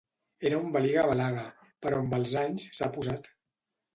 Era un baliga-balaga, però amb els anys s'ha posat.